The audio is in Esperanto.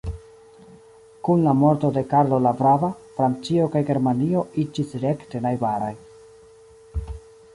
Kun la morto de Karlo la Brava, Francio kaj Germanio iĝis rekte najbaraj.